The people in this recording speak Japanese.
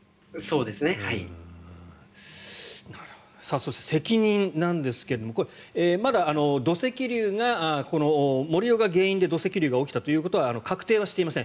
そして、責任なんですがまだ土石流がこの盛り土が原因で土石流が起きたということは確定はしていません。